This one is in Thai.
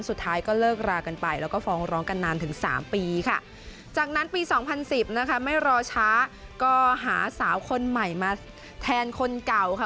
สุดท้ายก็เลิกรากันไปแล้วก็ฟ้องร้องกันนานถึงสามปีค่ะจากนั้นปีสองพันสิบนะคะไม่รอช้าก็หาสาวคนใหม่มาแทนคนเก่าค่ะ